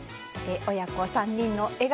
親子３人の笑顔